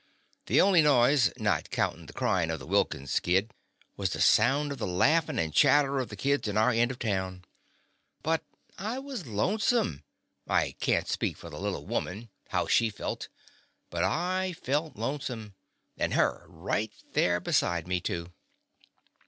The only noise, not countin' the cryin' of the Wilkins' kid, was the sounds of the laughin' and chatter of the children in our end of town. But I was lonesome. I can't speak for the little woman, how she The Confessions of a Daddy felt, but / felt lonesome — and her right there beside me, too.